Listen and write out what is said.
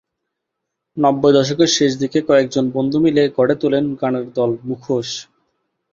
নব্বই দশকের শেষ দিকে কয়েকজন বন্ধু মিলে গড়ে তোলেন গানের দল ‘মুখোশ’।